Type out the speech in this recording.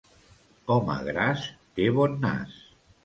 Home gras té bon nas.